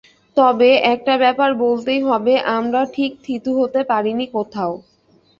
তবে একটা ব্যাপার বলতেই হবে, আমরা ঠিক থিতু হতে পারিনি কোথাও।